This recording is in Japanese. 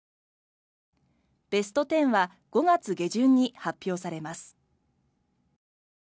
ベスト１０は５月下旬に発表されます。